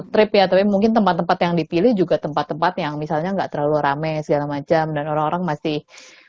trip ya tapi mungkin tempat tempat yang dipilih juga tempat tempat yang misalnya enggak terlalu rame segala macam dan orang orang masih